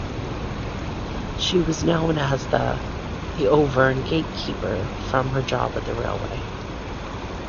She was known as the (the Auvergne Gatekeeper) from her job on the railway.